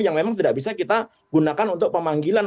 yang memang tidak bisa kita gunakan untuk pemanggilan